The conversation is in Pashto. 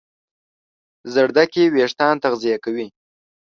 ګازرې وېښتيان تغذیه کوي.